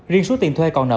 riêng số tiền thuê còn nợ